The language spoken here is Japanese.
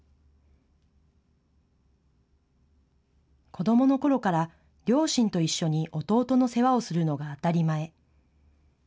子どものころから両親と一緒に弟の世話をするのが当たり前。